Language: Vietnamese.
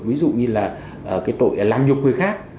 ví dụ như là tội làm nhục người khác